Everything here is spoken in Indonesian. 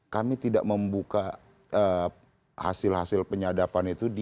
kami tidak membuka hasil hasil penyadapan itu